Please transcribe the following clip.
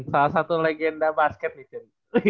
salah satu legenda basket nih cen